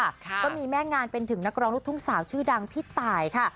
ก็มีแม่งานเป็นถึงนักร้องลูกทุ่งสาวชื่อดังพี่ตายค่ะ